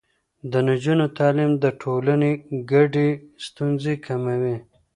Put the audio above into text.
د نجونو تعليم د ټولنې ګډې ستونزې کموي.